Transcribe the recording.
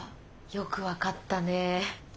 よく分かったね。